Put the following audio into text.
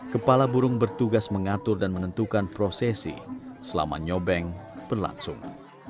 kepala burung bertugas mengatur dan menentukan prosesi selama nyobeng berlangsung